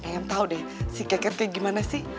yang tau deh si ket keti gimana sih